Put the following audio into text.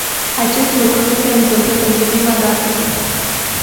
Acest lucru nu se întâmplă pentru prima dată.